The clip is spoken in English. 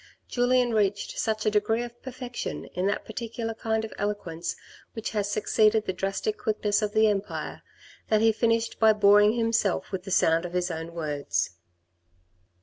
Julien reached such a degree of perfection in that particular kind of eloquence which has succeeded the drastic quickness of the empire, that he finished by boring himself with the sound of his own words.